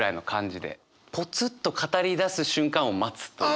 ポツッと語りだす瞬間を待つという。